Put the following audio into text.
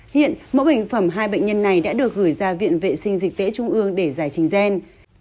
hiện mẫu bệnh phẩm hai bệnh nhân này đã được gửi ra viện vệ sinh dịch tễ trung ương để giải trình gen